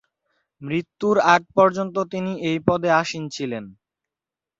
মৃত্যুর আগ পর্যন্ত তিনি এই পদে আসীন ছিলেন।